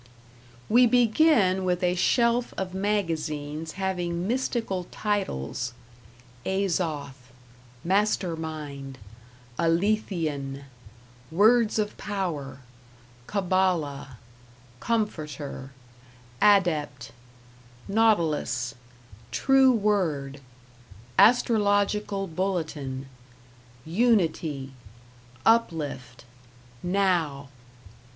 We begin with a shelf of magazines having mystical titles: Azoth; Master Mind; Aletheian; Words of Power; Qabalah; Comforter; Adept; Nautilus; True Word; Astrological Bulletin; Unity; Uplift; Now.